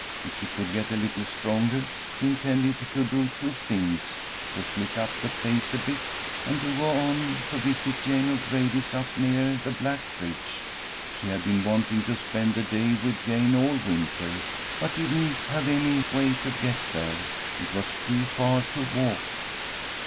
If she could get a little stronger, she intended to do two things: to slick up the place a bit, and to go on a visit to Jane O'Grady's up near the black bridge. She had been wanting to spend the day with Jane all winter, but didn't have any way to get there. It was too far to walk.